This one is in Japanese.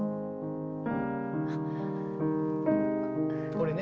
これね。